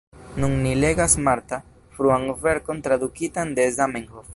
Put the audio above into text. Nun ni legas Marta, fruan verkon tradukitan de Zamenhof.